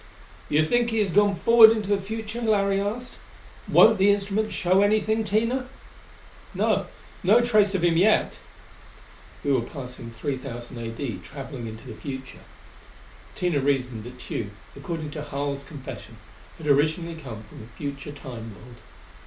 "You think he has gone forward into the future?" Larry asked. "Won't the instrument show anything, Tina?" "No. No trace of him yet." We were passing 3,000 A.D., traveling into the future. Tina reasoned that Tugh, according to Harl's confession, had originally come from a future Time world.